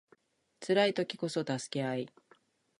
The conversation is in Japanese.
辛い時こそ助け合い